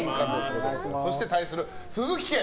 そして対する、鈴木家。